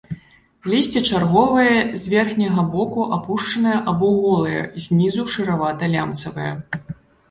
Лісце чарговае, з верхняга боку апушанае або голае, знізу шаравата-лямцавае.